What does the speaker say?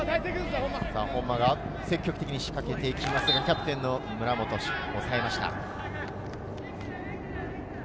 本間が積極的に仕掛けていきますが、村本、抑えました。